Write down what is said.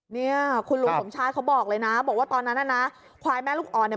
เนี่ยคุณลุงสมชายเขาบอกเลยนะบอกว่าตอนนั้นน่ะนะควายแม่ลูกอ่อนเนี่ย